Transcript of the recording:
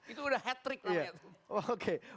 itu udah hat trick lah ya